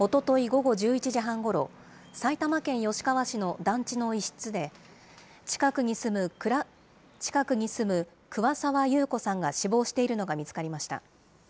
午後１１時半ごろ、埼玉県吉川市の団地の一室で、近くに住む桑沢優子さんが死亡しているのが見つかりました。